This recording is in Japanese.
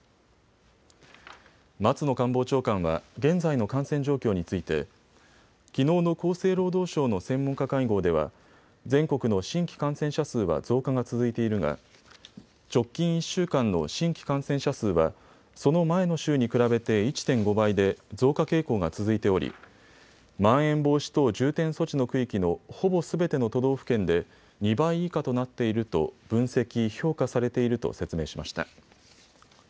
松野官房長官は現在の感染状況についてきのうの厚生労働省の専門家会合では全国の新規感染者数は増加が続いているが直近１週間の新規感染者数はその前の週に比べて１．５倍で増加傾向が続いておりまん延防止等重点措置の区域のほぼすべての都道府県で２倍以下となっていると分析、評価されていると説明しました。